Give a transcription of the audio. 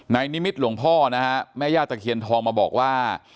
นิมิตหลวงพ่อนะฮะแม่ย่าตะเคียนทองมาบอกว่า